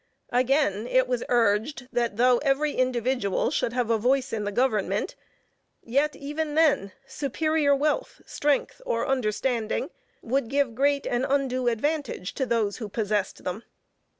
Again it was urged that though every individual should have a voice in the government, yet even then, superior wealth, strength, or understanding, would give great and undue advantage to those who possessed them.